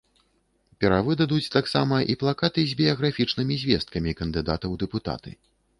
Перавыдадуць таксама і плакаты з біяграфічнымі звесткамі кандыдата ў дэпутаты.